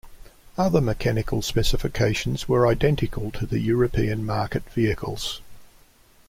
Other mechanical specifications were identical to the European market vehicles.